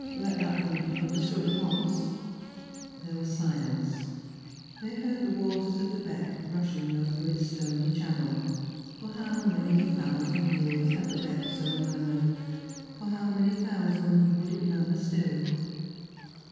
Let that be understood at once." There was silence. They heard the waters of the beck rushing over its stony channel. For how many thousand years had the beck so murmured? For how many thousand would it murmur still?